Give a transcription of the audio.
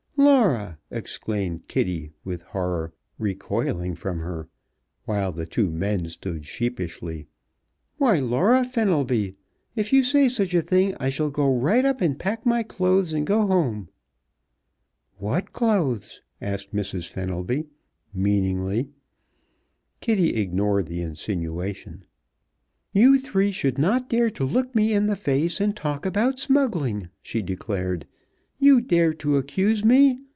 "Laura!" exclaimed Kitty, with horror, recoiling from her, while the two men stood sheepishly. "Why, Laura Fenelby! If you say such a thing I shall go right up and pack my clothes and go home!" "What clothes?" asked Mr. Fenelby, meaningly. Kitty ignored the insinuation. "You three should not dare to look me in the face and talk about smuggling," she declared. "You dare to accuse me.